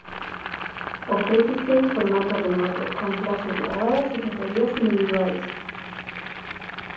Ofrécese en formato remoto, con clases gravadas e titorías individuais.